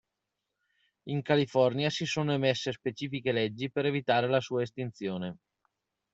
In California si sono emesse specifiche leggi per evitare la sua estinzione.